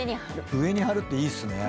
上に貼るっていいっすね。